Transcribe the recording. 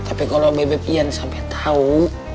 tapi kalo bebek ian sampe tau